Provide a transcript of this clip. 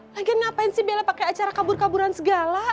lagian ngapain sih bella pakai acara kabur kaburan segala